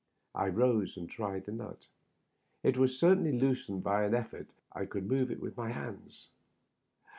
I rose and tried the nut. It was certainly loosened, for by an effort I could move it with my hands.